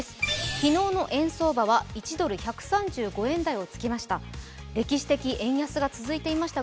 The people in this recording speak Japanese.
昨日の円相場は１ドル＝１３５円台をつけました。